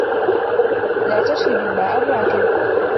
لَا تَشْرَبْ الْمَاءَ الرَّاكِدَ.